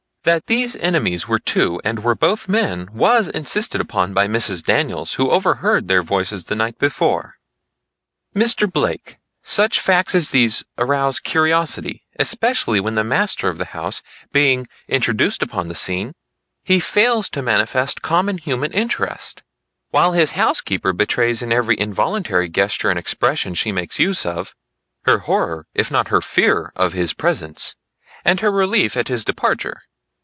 That these enemies were two and were both men, was insisted upon by Mrs. Daniels who overheard their voices the night before. "Mr. Blake, such facts as these arouse curiosity, especially when the master of the house being introduced upon the scene, he fails to manifest common human interest, while his housekeeper betrays in every involuntary gesture and expression she makes use of, her horror if not her fear of his presence, and her relief at his departure.